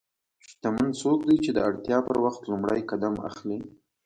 شتمن څوک دی چې د اړتیا پر وخت لومړی قدم اخلي.